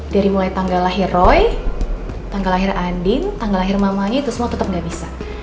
dari mulai tanggal lahir roy tanggal lahir andin tanggal lahir mamanya itu semua tetap gak bisa